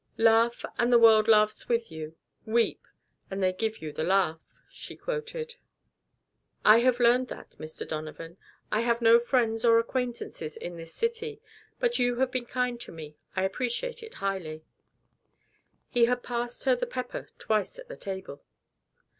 "'Laugh, and the world laughs with you; weep, and they give you the laugh,'" she quoted. "I have learned that, Mr. Donovan. I have no friends or acquaintances in this city. But you have been kind to me. I appreciate it highly." He had passed her the pepper twice at the table.